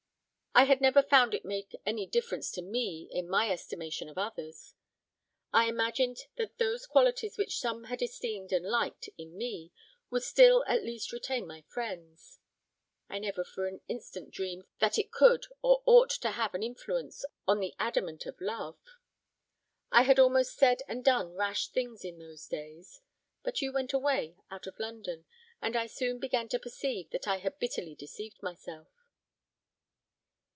I had never found it make any difference to me in my estimation of others. I imagined that those qualities which some had esteemed and liked in me, would still at least retain my friends. I never for an instant dreamed that it could or ought to have an influence on the adamant of love. I had almost said and done rash things in those days; but you went away out of London, and I soon began to perceive that I had bitterly deceived myself."